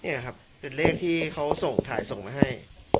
นี่ครับเป็นเลขที่เขาส่งถ่ายส่งมาให้